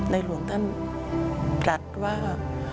หลวงท่านตรัสว่า